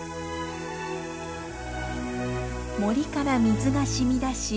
森から水がしみ出し